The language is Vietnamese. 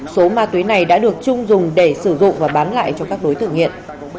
số ma túy này đã được chung dùng để sử dụng và bán lại cho các đối tượng hiện